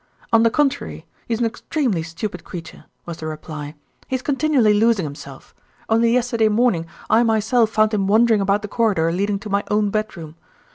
"On the contrary, he is an extremely stupid creature," was the reply. "He is continually losing himself. Only yesterday morning I myself found him wandering about the corridor leading to my own bedroom.